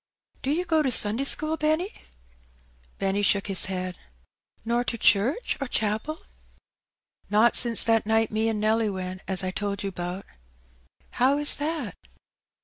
^^Do you go to Sunday school, Benny?" Benny shook his head. " Nor to church or chapel ?"'^ Not since that night me an' Nelly went, that I told you n)Out." "How is that?"